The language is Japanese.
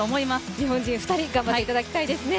日本人２人、頑張っていただきたいですね。